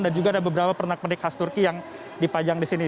dan juga ada beberapa penak penik khas turki yang dipajang disini